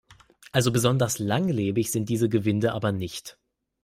Also besonders langlebig sind diese Gewinde aber nicht.